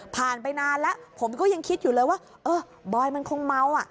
ไปนานแล้วผมก็ยังคิดอยู่เลยว่าเออบอยมันคงเมาอ่ะ